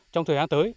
trong thời gian tới